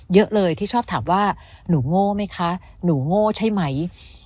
เยอะเลยที่ชอบถามว่าหนูโง่ไหมคะหนูโง่ใช่ไหม